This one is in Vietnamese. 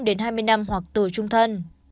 đến hai mươi năm hoặc tù trung thân